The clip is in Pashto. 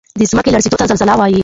د ځمکې لړزیدو ته زلزله وایي